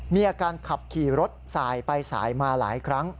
มีอาการขับขี่รถสายไปสายมาหลายครั้ง